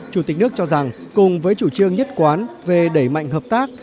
chủ tịch nước cho rằng cùng với chủ trương nhất quán về đẩy mạnh hợp tác